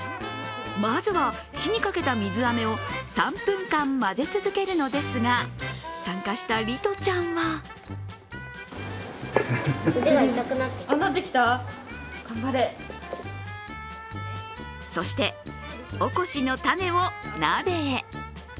まずは火にかけた水あめを３分間混ぜ続けるのですが参加した莉冬ちゃんはそして、おこしの種を鍋へ。